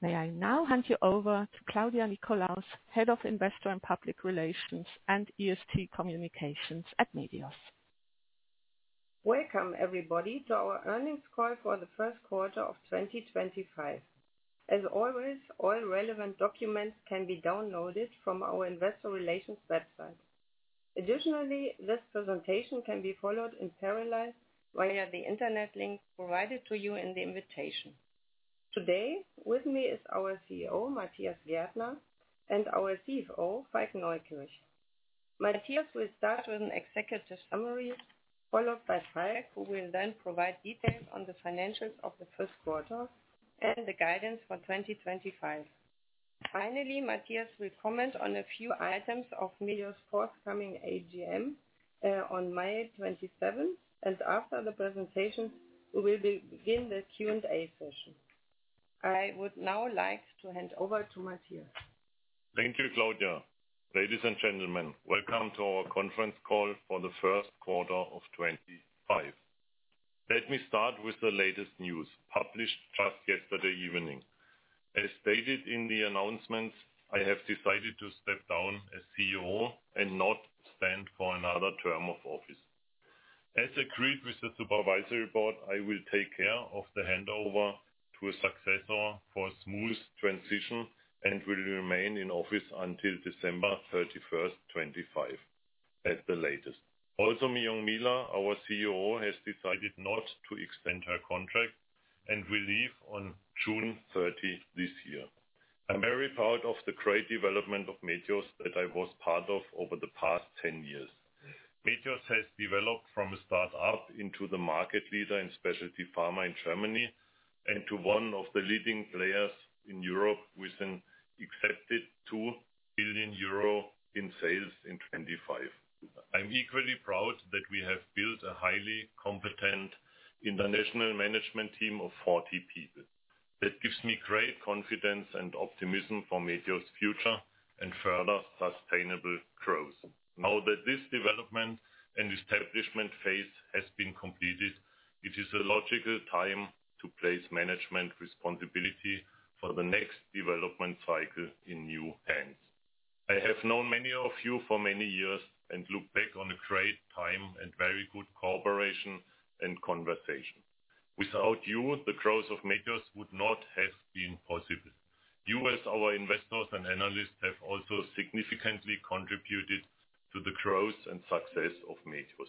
May I now hand you over to Claudia Nickolaus, Head of Investor and Public Relations and ESG Communications at Medios? Welcome, everybody, to our Earnings Call for the First Quarter of 2025. As always, all relevant documents can be downloaded from our Investor Relations website. Additionally, this presentation can be followed in parallel via the internet link provided to you in the invitation. Today, with me is our CEO, Matthias Gärtner, and our CFO, Falk Neukirch. Matthias will start with an executive summary, followed by Falk, who will then provide details on the financials of the first quarter and the guidance for 2025. Finally, Matthias will comment on a few items of Medios' forthcoming AGM on May 27, and after the presentations, we will begin the Q&A session. I would now like to hand over to Matthias. Thank you, Claudia. Ladies and gentlemen, welcome to our conference call for the first quarter of 2025. Let me start with the latest news, published just yesterday evening. As stated in the announcements, I have decided to step down as CEO and not stand for another term of office. As agreed with the Supervisory Board, I will take care of the handover to a successor for a smooth transition and will remain in office until December 31, 2025, at the latest. Also, Mi-Young Miehler, our CEO, has decided not to extend her contract and will leave on June 30 this year. I'm very proud of the great development of Medios that I was part of over the past 10 years. Medios has developed from a startup into the market leader in specialty pharma in Germany and to one of the leading players in Europe with an accepted 2 billion euro in sales in 2025. I'm equally proud that we have built a highly competent international management team of 40 people. That gives me great confidence and optimism for Medios' future and further sustainable growth. Now that this development and establishment phase has been completed, it is a logical time to place management responsibility for the next development cycle in new hands. I have known many of you for many years and look back on a great time and very good cooperation and conversation. Without you, the growth of Medios would not have been possible. You, as our investors and analysts, have also significantly contributed to the growth and success of Medios.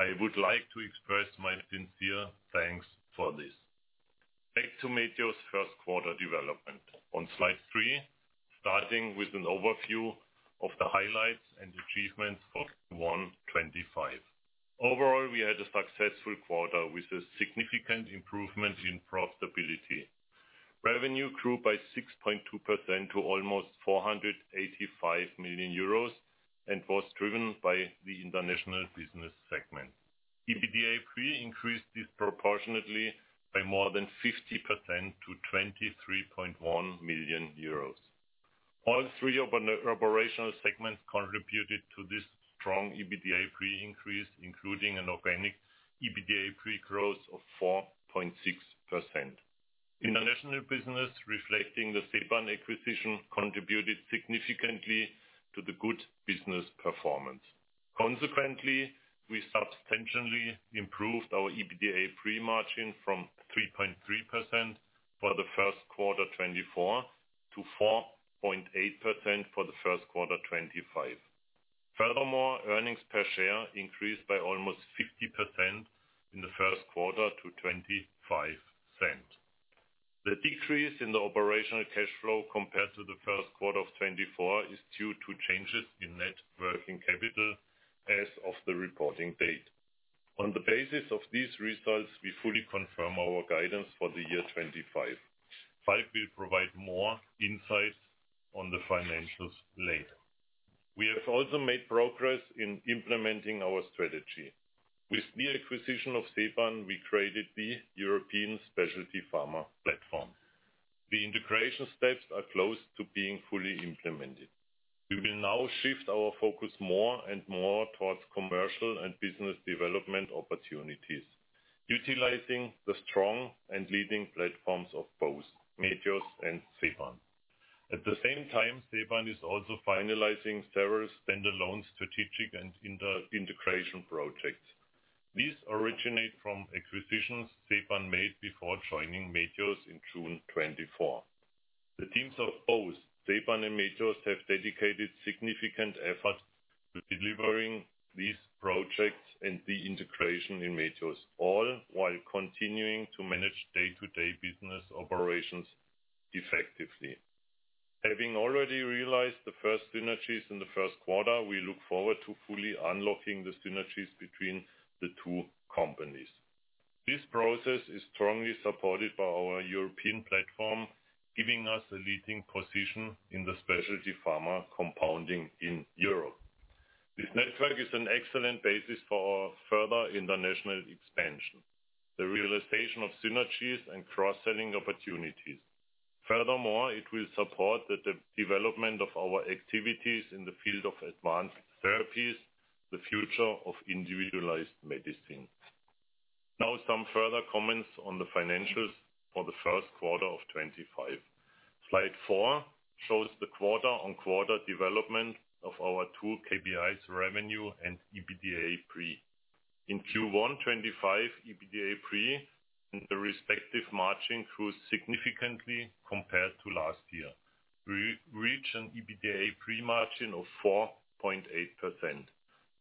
I would like to express my sincere thanks for this. Back to Medios' first quarter development. On slide 3, starting with an overview of the highlights and achievements for 2021-2025. Overall, we had a successful quarter with a significant improvement in profitability. Revenue grew by 6.2% to almost 485 million euros and was driven by the international business segment. EBITDA increased disproportionately by more than 50% to 23.1 million euros. All three operational segments contributed to this strong EBITDA increase, including an organic EBITDA growth of 4.6%. International business, reflecting the Ceban acquisition, contributed significantly to the good business performance. Consequently, we substantially improved our EBITDA margin from 3.3% for the first quarter 2024 to 4.8% for the first quarter 2025. Furthermore, earnings per share increased by almost 50% in the first quarter to 0.25. The decrease in the operational cash flow compared to the first quarter of 2024 is due to changes in net working capital as of the reporting date. On the basis of these results, we fully confirm our guidance for the year 2025. Falk will provide more insights on the financials later. We have also made progress in implementing our strategy. With the acquisition of Ceban, we created the European Specialty Pharma Platform. The integration steps are close to being fully implemented. We will now shift our focus more and more towards commercial and business development opportunities, utilizing the strong and leading platforms of both Medios and Ceban. At the same time, Ceban is also finalizing several standalone strategic and integration projects. These originate from acquisitions Ceban made before joining Medios in June 2024. The teams of both Ceban and Medios have dedicated significant efforts to delivering these projects and the integration in Medios, all while continuing to manage day-to-day business operations effectively. Having already realized the first synergies in the first quarter, we look forward to fully unlocking the synergies between the two companies. This process is strongly supported by our European platform, giving us a leading position in the specialty pharma compounding in Europe. This network is an excellent basis for our further international expansion, the realization of synergies and cross-selling opportunities. Furthermore, it will support the development of our activities in the field of advanced therapies, the future of individualized medicine. Now, some further comments on the financials for the first quarter of 2025. Slide 4 shows the quarter-on-quarter development of our two KPIs: revenue and EBITDA pre. In Q1 2025, EBITDA pre and the respective margin grew significantly compared to last year. We reached an EBITDA pre margin of 4.8%.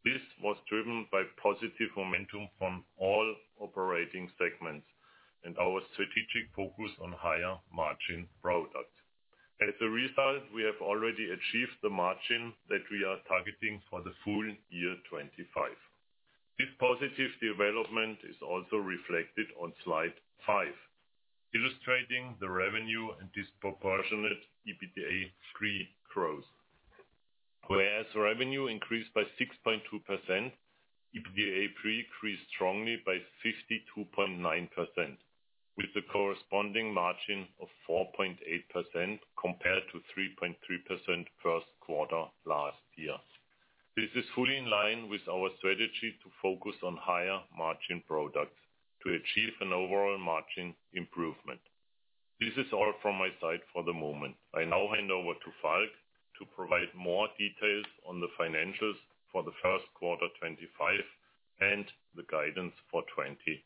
This was driven by positive momentum from all operating segments and our strategic focus on higher margin products. As a result, we have already achieved the margin that we are targeting for the full year 2025. This positive development is also reflected on slide 5, illustrating the revenue and disproportionate EBITDA pre growth. Whereas revenue increased by 6.2%, EBITDA pre increased strongly by 52.9%, with the corresponding margin of 4.8% compared to 3.3% first quarter last year. This is fully in line with our strategy to focus on higher margin products to achieve an overall margin improvement. This is all from my side for the moment. I now hand over to Falk to provide more details on the financials for the first quarter 2025 and the guidance for 2025.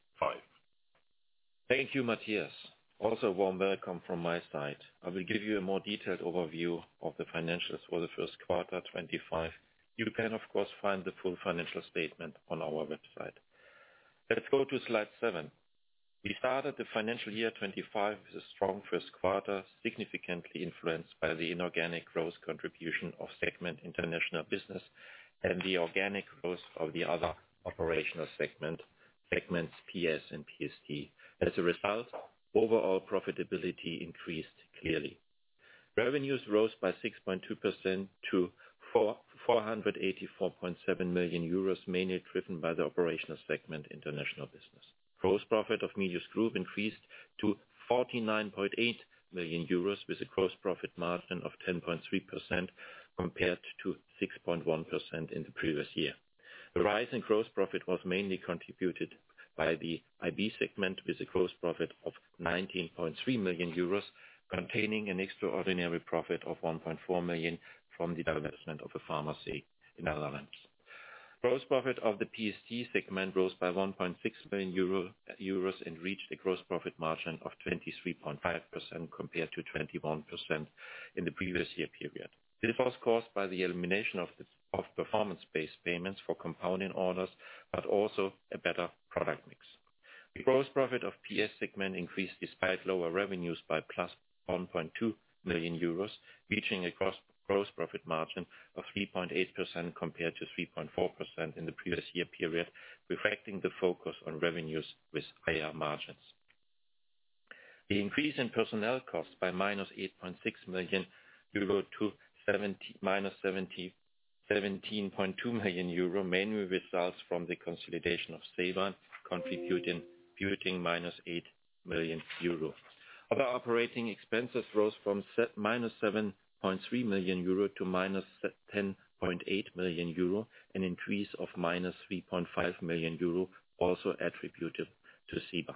Thank you, Matthias. Also, warm welcome from my side. I will give you a more detailed overview of the financials for the first quarter 2025. You can, of course, find the full financial statement on our website. Let's go to slide 7. We started the financial year 2025 with a strong first quarter, significantly influenced by the inorganic growth contribution of segment international business and the organic growth of the other operational segments, PS and PST. As a result, overall profitability increased clearly. Revenues rose by 6.2% to 484.7 million euros, mainly driven by the operational segment international business. Gross profit of Medios group increased to 49.8 million euros with a gross profit margin of 10.3% compared to 6.1% in the previous year. The rise in gross profit was mainly contributed by the IB segment with a gross profit of 19.3 million euros, containing an extraordinary profit of 1.4 million from the development of a pharmacy in Netherlands. Gross profit of the PST segment rose by 1.6 million euro and reached a gross profit margin of 23.5% compared to 21% in the previous year period. This was caused by the elimination of performance-based payments for compounding orders, but also a better product mix. The gross profit of PS segment increased despite lower revenues by plus 1.2 million euros, reaching a gross profit margin of 3.8% compared to 3.4% in the previous year period, reflecting the focus on revenues with higher margins. The increase in personnel costs by minus 8.6 million euro to minus 17.2 million euro mainly results from the consolidation of Ceban, contributing minus 8 million euro. Other operating expenses rose from minus 7.3 million euro to minus 10.8 million euro and an increase of minus 3.5 million euro also attributed to Ceban. The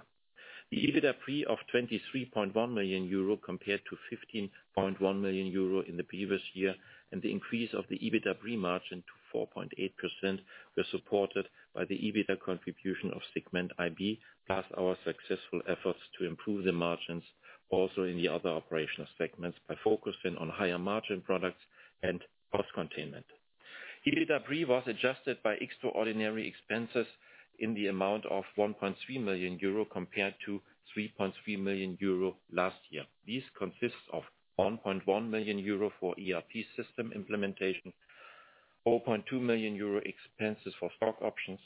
EBITDA pre of 23.1 million euro compared to 15.1 million euro in the previous year and the increase of the EBITDA pre margin to 4.8% were supported by the EBITDA contribution of segment IB plus our successful efforts to improve the margins also in the other operational segments by focusing on higher margin products and cost containment. EBITDA pre was adjusted by extraordinary expenses in the amount of 1.3 million euro compared to 3.3 million euro last year. This consists of 1.1 million euro for ERP system implementation, 4.2 million euro expenses for stock options,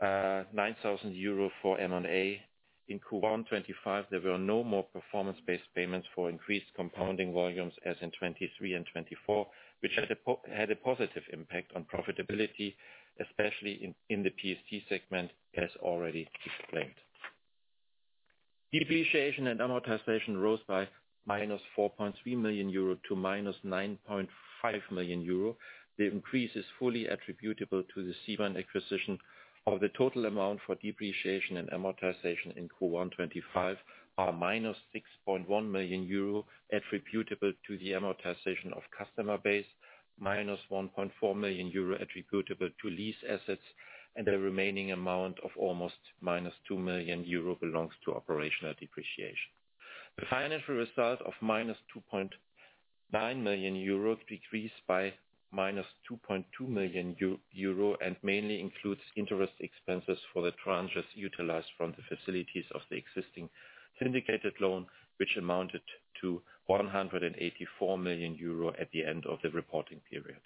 9,000 euro for M&A. In Q1 2025, there were no more performance-based payments for increased compounding volumes as in 2023 and 2024, which had a positive impact on profitability, especially in the PST segment, as already explained. Depreciation and amortization rose by minus 4.3 million euro to minus 9.5 million euro. The increase is fully attributable to the Ceban acquisition of the total amount for depreciation and amortization in Q1 2025, or minus 6.1 million euro attributable to the amortization of customer base, minus 1.4 million euro attributable to lease assets, and the remaining amount of almost minus 2 million euro belongs to operational depreciation. The financial result of minus 2.9 million euro decreased by minus 2.2 million euro and mainly includes interest expenses for the tranches utilized from the facilities of the existing syndicated loan, which amounted to 184 million euro at the end of the reporting period.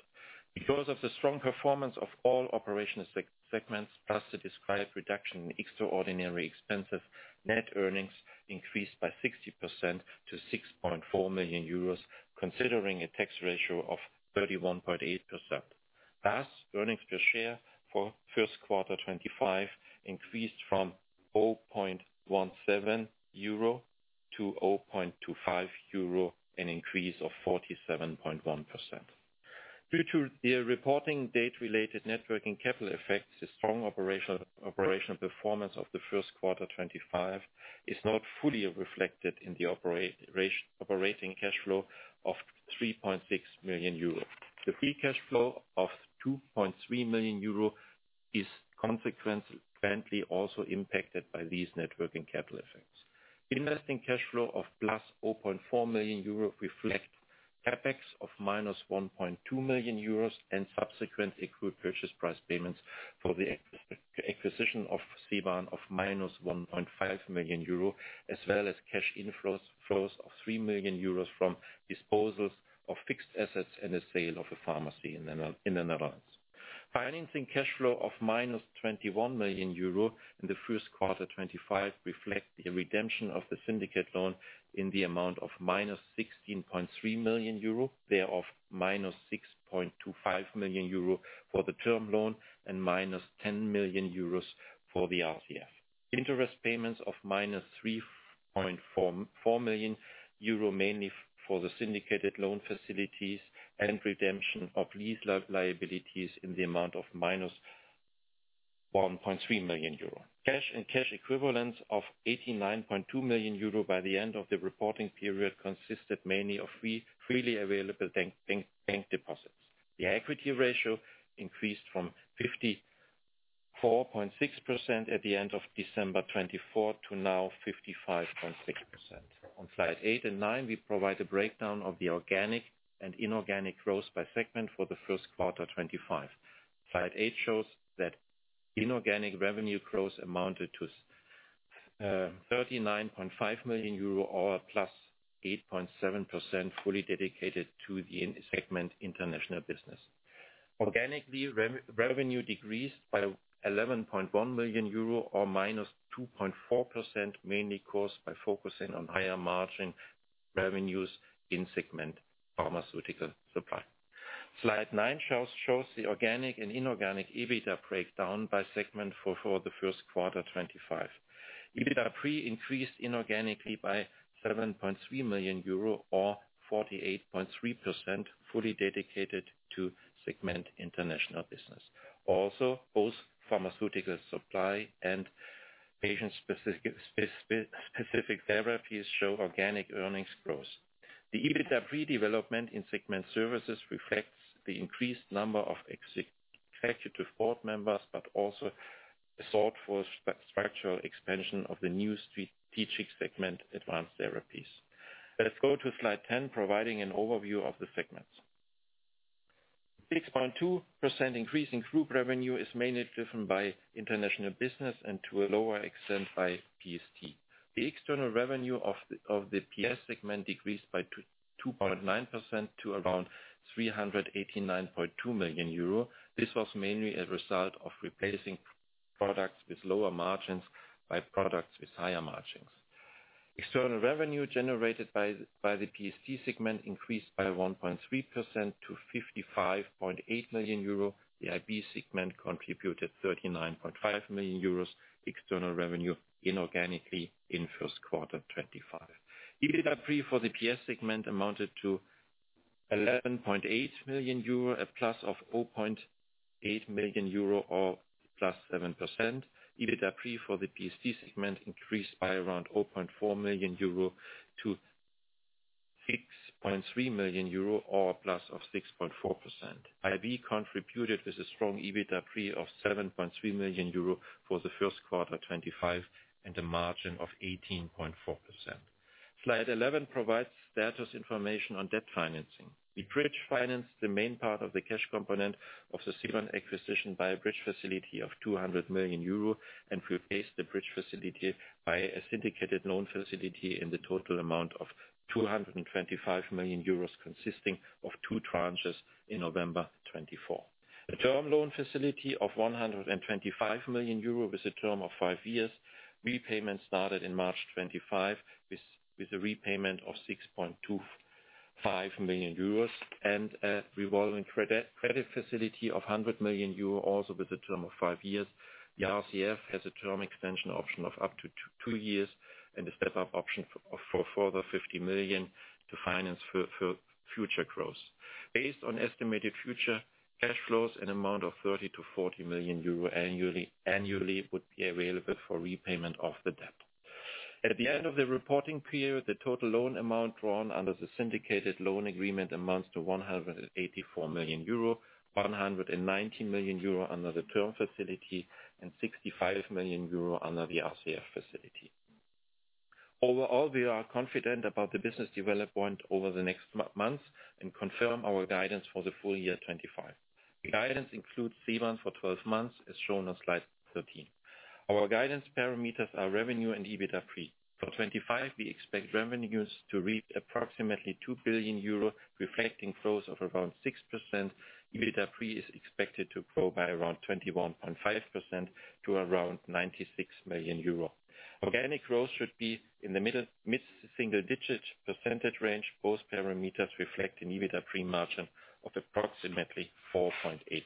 Because of the strong performance of all operational segments plus the described reduction in extraordinary expenses, net earnings increased by 60% to 6.4 million euros, considering a tax ratio of 31.8%. Thus, earnings per share for first quarter 2025 increased from 4.17 euro to 4.25 euro, an increase of 47.1%. Due to the reporting date-related net working capital effects, the strong operational performance of the first quarter 2025 is not fully reflected in the operating cash flow of 3.6 million euro. The free cash flow of 2.3 million euro is consequently also impacted by these net working capital effects. Investing cash flow of plus 0.4 million euro reflects CapEx of minus 1.2 million euros and subsequent acquire purchase price payments for the acquisition of Ceban of minus 1.5 million euro, as well as cash inflows of 3 million euros from disposals of fixed assets and the sale of a pharmacy in the Netherlands. Financing cash flow of minus 21 million euro in the first quarter 2025 reflects the redemption of the syndicated loan in the amount of minus 16.3 million euro, thereof minus 6.25 million euro for the term loan and minus 10 million euros for the RCF. Interest payments of minus 3.4 million euro, mainly for the syndicated loan facilities and redemption of lease liabilities in the amount of minus 1.3 million euro. Cash and cash equivalents of 89.2 million euro by the end of the reporting period consisted mainly of freely available bank deposits. The equity ratio increased from 54.6% at the end of December 2024 to now 55.6%. On slide 8 and 9, we provide a breakdown of the organic and inorganic growth by segment for the first quarter 2025. Slide 8 shows that inorganic revenue growth amounted to 39.5 million euro or +8.7% fully dedicated to the segment international business. Organic revenue decreased by 11.1 million euro or -2.4%, mainly caused by focusing on higher margin revenues in segment pharmaceutical supply. Slide 9 shows the organic and inorganic EBITDA breakdown by segment for the first quarter 2025. EBITDA pre increased inorganically by 7.3 million euro or 48.3%, fully dedicated to segment international business. Also, both pharmaceutical supply and patient-specific therapies show organic earnings growth. The EBITDA pre development in segment services reflects the increased number of executive board members, but also sought for structural expansion of the new strategic segment advanced therapies. Let's go to slide 10, providing an overview of the segments. A 6.2% increase in group revenue is mainly driven by international business and to a lower extent by PST. The external revenue of the PS segment decreased by 2.9% to around 389.2 million euro. This was mainly a result of replacing products with lower margins by products with higher margins. External revenue generated by the PST segment increased by 1.3% to 55.8 million euro. The IB segment contributed 39.5 million euros external revenue inorganically in first quarter 2025. EBITDA pre for the PS segment amounted to 11.8 million euro, a plus of 0.8 million euro or plus 7%. EBITDA pre for the PST segment increased by around 0.4 million euro to 6.3 million euro or plus of 6.4%. IB contributed with a strong EBITDA pre of 7.3 million euro for the first quarter 2025 and a margin of 18.4%. Slide 11 provides status information on debt financing. We bridge financed the main part of the cash component of the Ceban acquisition by a bridge facility of 200 million euro and replaced the bridge facility by a syndicated loan facility in the total amount of 225 million euros consisting of two tranches in November 2024. A term loan facility of 125 million euro with a term of five years. Repayment started in March 2025 with a repayment of 6.25 million euros and a revolving credit facility of 100 million euro also with a term of five years. The RCF has a term extension option of up to two years and a step-up option for further 50 million to finance future growth. Based on estimated future cash flows, an amount of 30 million-40 million euro annually would be available for repayment of the debt. At the end of the reporting period, the total loan amount drawn under the syndicated loan agreement amounts to 184 million euro, 190 million euro under the term facility, and 65 million euro under the RCF facility. Overall, we are confident about the business development over the next months and confirm our guidance for the full year 2025. The guidance includes Ceban for 12 months as shown on slide 13. Our guidance parameters are revenue and EBITDA pre. For 2025, we expect revenues to reach approximately 2 billion euro, reflecting growth of around 6%. EBITDA pre is expected to grow by around 21.5% to around 96 million euro. Organic growth should be in the mid-single-digit percentage range. Both parameters reflect an EBITDA pre margin of approximately 4.8%.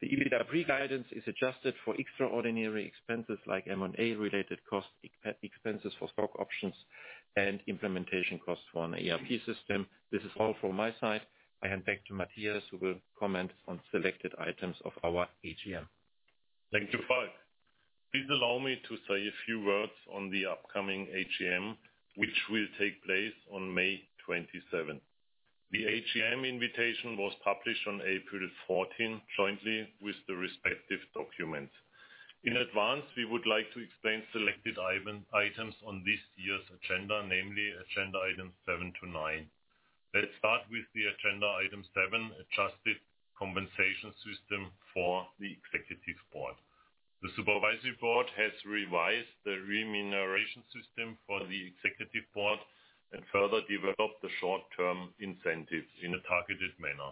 The EBITDA pre guidance is adjusted for extraordinary expenses like M&A-related cost expenses for stock options and implementation costs for an ERP system. This is all from my side. I hand back to Matthias, who will comment on selected items of our AGM. Thank you, Falk. Please allow me to say a few words on the upcoming AGM, which will take place on May 27. The AGM invitation was published on April 14, jointly with the respective documents. In advance, we would like to explain selected items on this year's agenda, namely agenda items 7 to 9. Let's start with the agenda item 7, adjusted compensation system for the executive board. The Supervisory Board has revised the remuneration system for the executive board and further developed the short-term incentives in a targeted manner.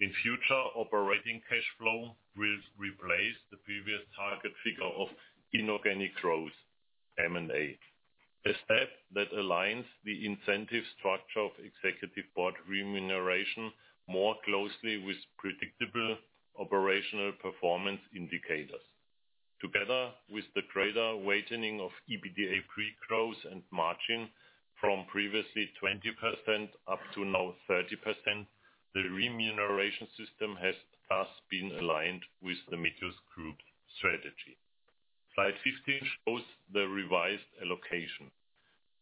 In future, operating cash flow will replace the previous target figure of inorganic growth, M&A, a step that aligns the incentive structure of executive board remuneration more closely with predictable operational performance indicators. Together with the greater weighting of EBITDA pre growth and margin from previously 20% up to now 30%, the remuneration system has thus been aligned with the Medios group strategy. Slide 15 shows the revised allocation.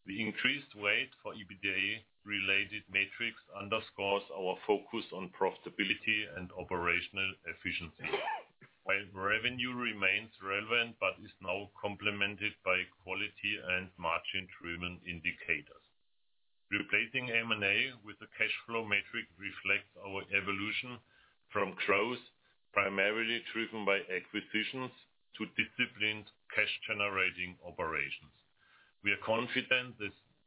The increased weight for EBITDA-related metrics underscores our focus on profitability and operational efficiency. Revenue remains relevant but is now complemented by quality and margin driven indicators. Replacing M&A with a cash flow metric reflects our evolution from growth primarily driven by acquisitions to disciplined cash-generating operations. We are confident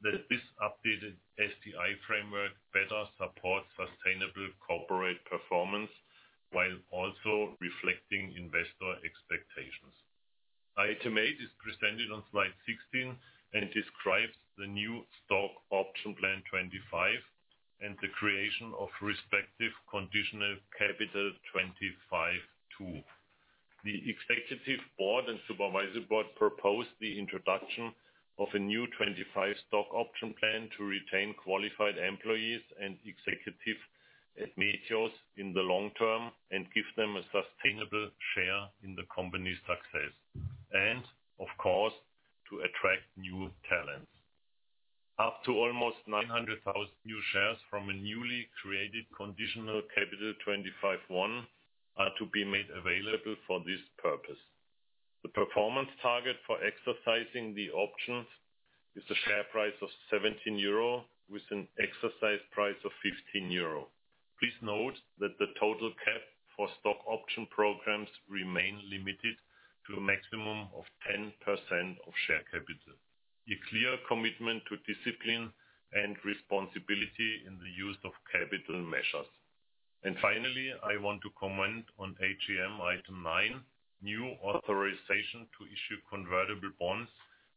that this updated STI framework better supports sustainable corporate performance while also reflecting investor expectations. Item 8 is presented on slide 16 and describes the new Stock Option Plan 2025 and the creation of respective Conditional Capital 2025/II. The executive board and supervisory board propose the introduction of a new 2025 stock option plan to retain qualified employees and executive ratios in the long term and give them a sustainable share in the company's success and, of course, to attract new talents. Up to almost 900,000 new shares from a newly created Conditional Capital 2025/I are to be made available for this purpose. The performance target for exercising the options is a share price of 17 euro with an exercise price of 15 euro. Please note that the total cap for stock option programs remains limited to a maximum of 10% of share capital. A clear commitment to discipline and responsibility in the use of capital measures. Finally, I want to comment on AGM item 9, new authorization to issue convertible bonds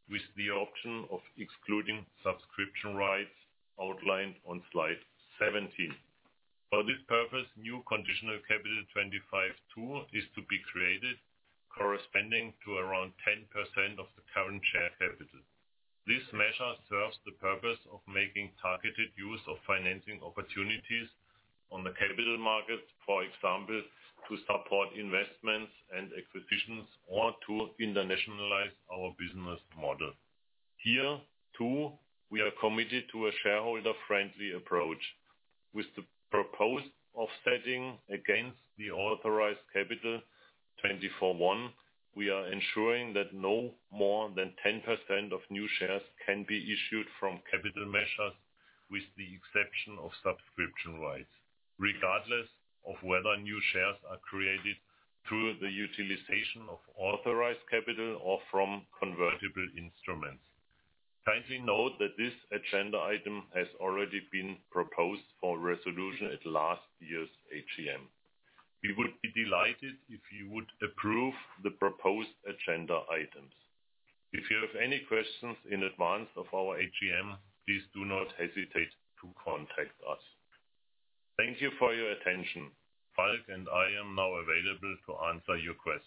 with the option of excluding subscription rights outlined on slide 17. For this purpose, new Conditional Capital 2025/II is to be created, corresponding to around 10% of the current share capital. This measure serves the purpose of making targeted use of financing opportunities on the capital markets, for example, to support investments and acquisitions or to internationalize our business model. Here too, we are committed to a shareholder-friendly approach. With the proposed offsetting against the Authorized Capital 2024/I, we are ensuring that no more than 10% of new shares can be issued from capital measures with the exception of subscription rights, regardless of whether new shares are created through the utilization of authorized capital or from convertible instruments. Kindly note that this agenda item has already been proposed for resolution at last year's AGM. We would be delighted if you would approve the proposed agenda items. If you have any questions in advance of our AGM, please do not hesitate to contact us. Thank you for your attention. Falk and I are now available to answer your questions.